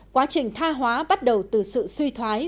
quá trình tha hóa bắt đầu từ sự suy thoái